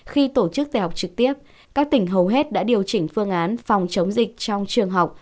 khi tổ chức tè học trực tiếp các tỉnh hầu hết đã điều chỉnh phương án phòng chống dịch trong trường học